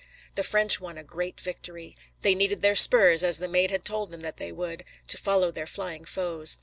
The French won a great victory. They needed their spurs, as the Maid had told them that they would, to follow their flying foes.